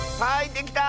できた！